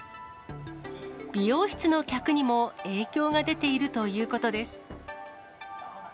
美容室の客にも影響が出ているということです。